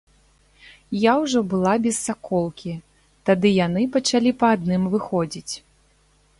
Я ўжо была без саколкі, тады яны пачалі па адным выходзіць.